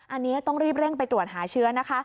อันนี้ต้องรีบเร่งไปตรวจหาเชื้อนะคะ